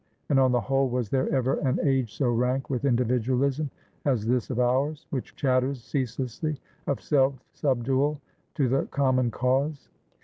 And, on the whole, was there ever an age so rank with individualism as this of ours, which chatters ceaselessly of self subdual to the common cause?